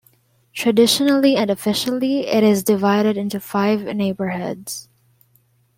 Traditionally and officially it is divided into five neighbourhoods.